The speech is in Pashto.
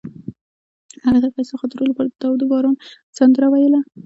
هغې د ښایسته خاطرو لپاره د تاوده باران سندره ویله.